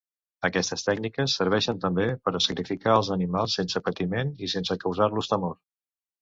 Aquestes tècniques serveixen també per a sacrificar els animals sense patiment i sense causar-los temor.